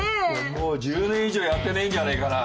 もう１０年以上やってねえんじゃねえかな。